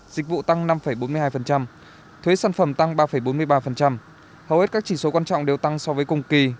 dịch vụ tăng năm bốn mươi hai thuế sản phẩm tăng ba bốn mươi ba hầu hết các chỉ số quan trọng đều tăng so với cùng kỳ